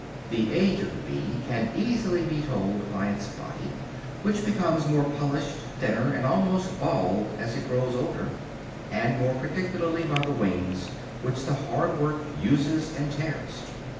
(The age of the bee can easily be told by its body, which becomes more polished, thinner and almost bald as it grows older; and more particularly by the wings, which the hard work uses and tears.)